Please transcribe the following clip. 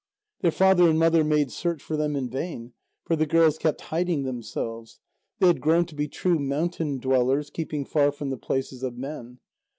Their father and mother made search for them in vain, for the girls kept hiding themselves; they had grown to be true mountain dwellers, keeping far from the places of men.